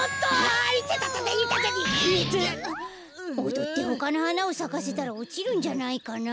おどってほかのはなをさかせたらおちるんじゃないかな。